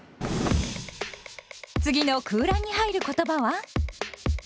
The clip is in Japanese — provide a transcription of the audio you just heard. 次の空欄に入る言葉は？